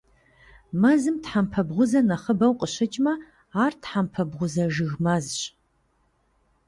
Мэзым тхьэмпэ бгъузэ нэхъыбэу къыщыкӀмэ - ар тхьэмпэ бгъузэ жыг мэзщ.